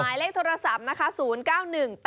หมายเลขโทรศัพท์นะคะ๐๙๑๘๑๕๘๕๑๑นะคะ